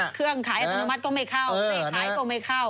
เครื่องขายอัตโนมัติก็ไม่เข้าไม่ขายก็ไม่เข้า